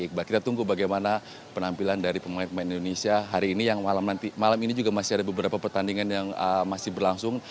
iqbal kita tunggu bagaimana penampilan dari pemain pemain indonesia hari ini yang malam ini juga masih ada beberapa pertandingan yang masih berlangsung